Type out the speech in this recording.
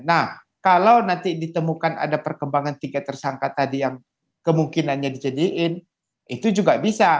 nah kalau nanti ditemukan ada perkembangan tiga tersangka tadi yang kemungkinannya dijadiin itu juga bisa